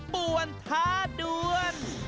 ปวนทาเดิ้น